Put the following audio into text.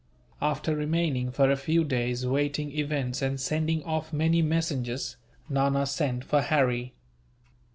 After remaining for a few days, waiting events and sending off many messengers, Nana sent for Harry.